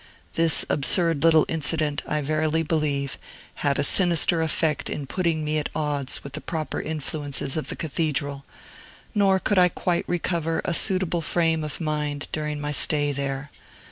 This absurd little incident, I verily believe, had a sinister effect in putting me at odds with the proper influences of the Cathedral, nor could I quite recover a suitable frame of mind during my stay there.